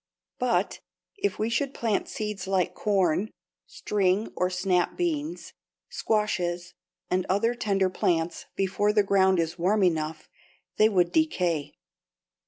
But if we should plant seeds like corn, string (or snap) beans, squashes, and other tender plants before the ground is warm enough, they would decay.